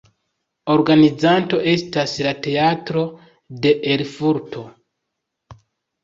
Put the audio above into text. Organizanto estas la Teatro de Erfurto.